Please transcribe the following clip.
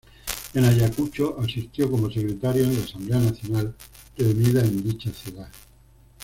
En Ayacucho asistió como secretario en la Asamblea Nacional reunida en dicha ciudad.